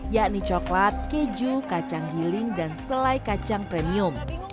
yakni coklat keju kacang giling dan selai kacang premium